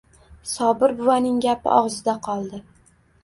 Sobir buvaning gapi og`zida qoldi